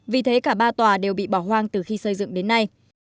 vì thế cả ba tòa đều bị bỏ hoang từ khi xây dựng đến nay